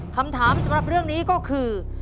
คำถามสำหรับเรื่องนี้ก็คือ